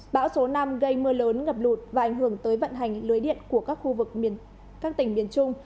bão số năm gây mưa lớn ngập lụt và ảnh hưởng tới vận hành lưới điện của các tỉnh miền trung